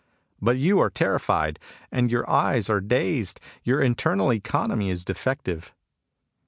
But you are terrified, and your eyes are dazed. Your internal economy is defective."